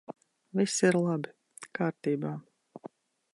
Viss ir labi! Kārtībā!